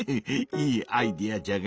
いいアイデアじゃが